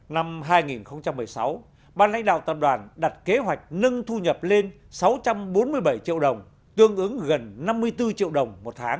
năm hai nghìn một mươi sáu ban lãnh đạo tập đoàn đặt kế hoạch nâng thu nhập lên sáu trăm bốn mươi bảy triệu đồng